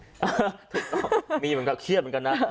ถูกต้องมีเหมือนกับเครียดเหมือนกันนะ